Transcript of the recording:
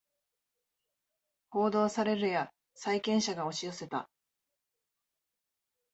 報道されるや債権者が押し寄せた